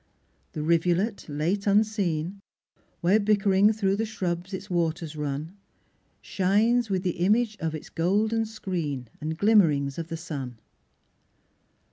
The rivulet, late unseen, Where bickering through the shrubs its waters run, Shines with the image of its golden screen And glimmerings of the sun.